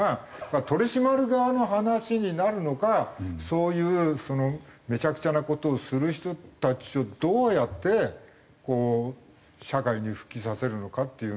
取り締まる側の話になるのかそういうめちゃくちゃな事をする人たちをどうやってこう社会に復帰させるのかっていうのが。